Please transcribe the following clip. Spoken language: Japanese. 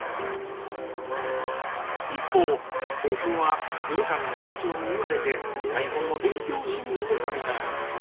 一方一平君は鶴亀の社長に言われて台本の勉強をしに来てたみたいなんですわ。